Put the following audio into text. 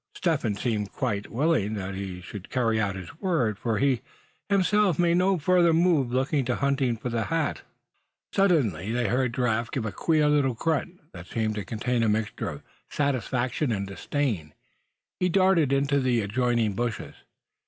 Step Hen seemed quite willing that he should carry out his word, for he himself made no further move looking to hunting for the missing head gear. Suddenly they heard Giraffe give a queer little grunt, that seemed to contain a mixture of satisfaction and disdain. He darted into the adjoining bushes.